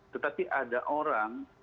tetapi ada orang